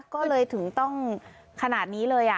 ก็เลยถึงต้องขนาดนี้เลย